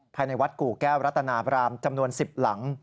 ภายในวัดกู่แก้วรัตนาบรามจำนวน๑๐หลัง